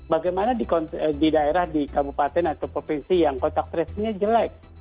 bagaimana di daerah di kabupaten atau provinsi yang kontak tracingnya jelek